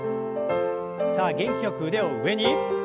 さあ元気よく腕を上に。